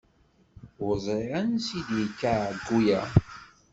Ur ẓriɣ ansi i yi-d-yekka ɛeyyu-ya.